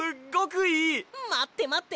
まってまって。